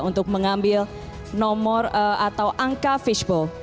untuk mengambil nomor atau angka fishbow